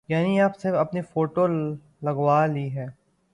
یعنی اب صرف اپنی فوٹو لگوا لی ہے۔